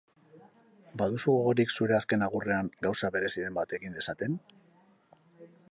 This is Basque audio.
Baduzu gogorik zure azken agurrean gauza bereziren bat egin dezaten?